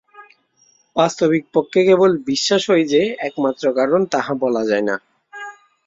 বাস্তবিকপক্ষে কেবল বিশ্বাসই যে একমাত্র কারণ, তাহা বলা যায় না।